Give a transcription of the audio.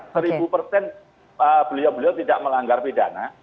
seribu persen beliau beliau tidak melanggar pidana